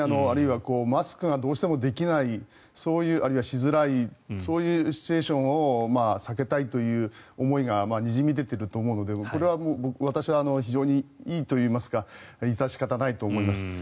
あるいはマスクがどうしてもできないあるいはしづらいそういうシチュエーションを避けたいという思いがにじみ出ていると思うのでこれは私は非常にいいといいますか致し方ないと思います。